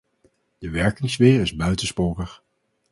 De werkingssfeer is buitensporig.